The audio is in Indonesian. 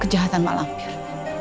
kejahatan mak lampir